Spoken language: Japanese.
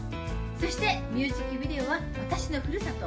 そしてミュージックビデオは私のふるさと